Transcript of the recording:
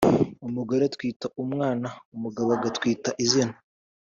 Umugore atwita umwana umugabo agatwita izina